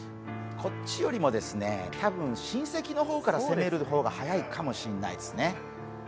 こっちよりも多分、親戚の方から攻める方が早いかもしれないですね。